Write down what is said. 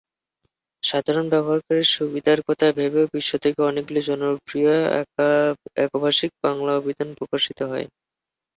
সাধারণ ব্যবহারকারীর সুবিধার কথা ভেবেও বিশ শতকে অনেকগুলি জনপ্রিয় একভাষিক বাংলা অভিধান প্রকাশিত হয়।